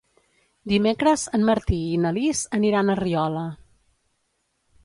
Dimecres en Martí i na Lis aniran a Riola.